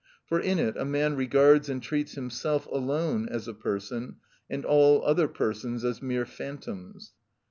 For in it a man regards and treats himself alone as a person, and all other persons as mere phantoms.